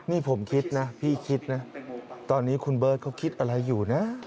นี่ผมคิดนะพี่คิดนะตอนนี้คุณเบิร์ตเขาคิดอะไรอยู่นะ